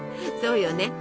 そうよね